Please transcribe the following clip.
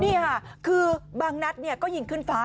นี่ค่ะคือบางนัดก็ยิงขึ้นฟ้า